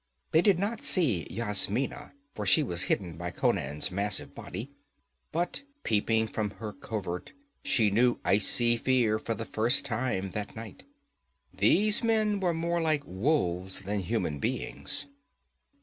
They did not see Yasmina, for she was hidden by Conan's massive body. But peeping from her covert, she knew icy fear for the first time that night. These men were more like wolves than human beings.